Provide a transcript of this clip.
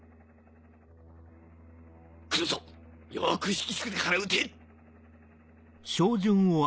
来るぞよく引きつけてから撃て。